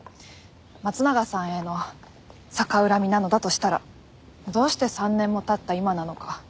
松永さんへの逆恨みなのだとしたらどうして３年も経った今なのか。